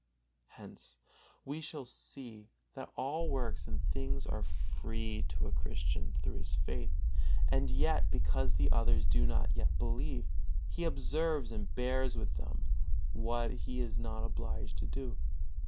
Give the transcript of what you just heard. Here we see that all works and things are free to a Christian through his faith; and yet, because the others do not yet believe, he observes and bears with them what he is not obligated to do.